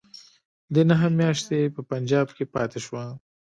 دی نهه میاشتې په پنجاب کې پاته شو.